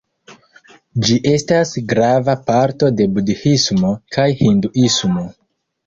Ĝi estas grava parto de budhismo kaj hinduismo.